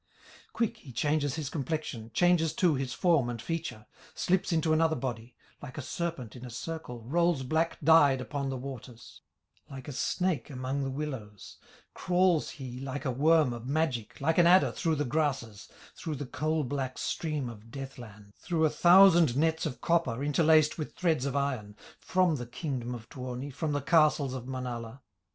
Quick he changes his complexion, Changes too his form and feature, Slips into another body; Like a serpent in a circle, Rolls black dyed upon the waters; Like a snake among the willows, Crawls he like a worm of magic, Like an adder through the grasses, Through the coal black stream of death land, Through a thousand nets of copper Interlaced with threads of iron, From the kingdom of Tuoni, From the castles of Manala.